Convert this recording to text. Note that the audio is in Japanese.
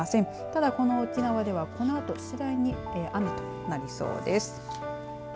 ただこの沖縄では、このあと次第に雨となりそうです。